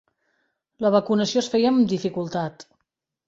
La vacunació es feia amb dificultat.